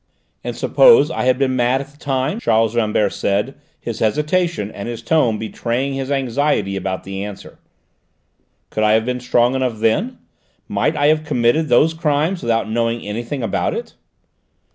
"And suppose I had been mad at the time," Charles Rambert said, his hesitation and his tone betraying his anxiety about the answer, "could I have been strong enough then? Might I have committed these crimes without knowing anything about it?"